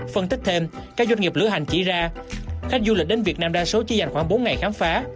phân tích thêm các doanh nghiệp lữ hành chỉ ra khách du lịch đến việt nam đa số chỉ dành khoảng bốn ngày khám phá